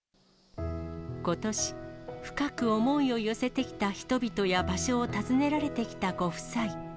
ことし、深く思いを寄せてきた人々や場所を訪ねられてきたご夫妻。